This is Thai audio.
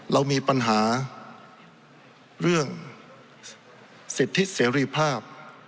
เรามีปัญหาเรื่องสิทธิเสรีภาพ